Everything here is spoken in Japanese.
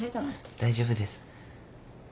大丈夫です。